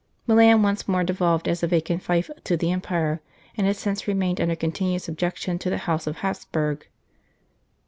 Milan once more devolved as a vacant fief to the Empire, and had since remained under continued subjection to the House of Hapsburg.